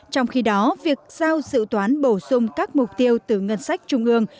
trong khi đó việc giao dự toán bổ sung các mục tiêu từ ngân sách trung ương